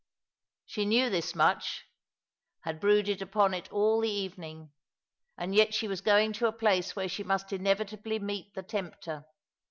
She knew this much — had brooded upon it all the evening —and yet she was going to a place where she must inevitably meet the Tempter.